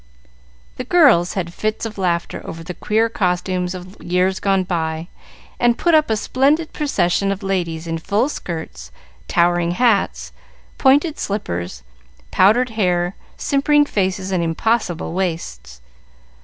The girls had fits of laughter over the queer costumes of years gone by, and put up a splendid procession of ladies in full skirts, towering hats, pointed slippers, powdered hair, simpering faces, and impossible waists.